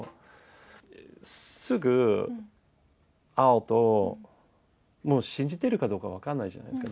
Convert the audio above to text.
すぐ会うと、信じてるかどうか分からないじゃないですか。